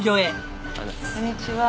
こんにちは。